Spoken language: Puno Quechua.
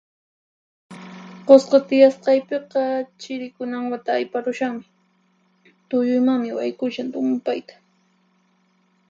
Qusqu tiyasqaypiqa chiri kunan wata ayparushanmi, tulluymanmi waykushan tumpayta.